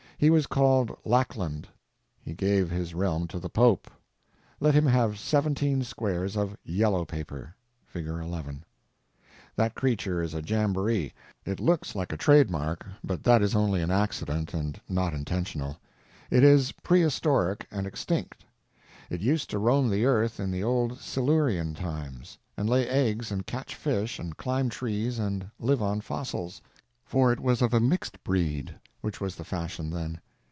He was called Lackland. He gave his realm to the Pope. Let him have seventeen squares of _yellow _paper. (Fig. 11.) That creature is a jamboree. It looks like a trademark, but that is only an accident and not intentional. It is prehistoric and extinct. It used to roam the earth in the Old Silurian times, and lay eggs and catch fish and climb trees and live on fossils; for it was of a mixed breed, which was the fashion then.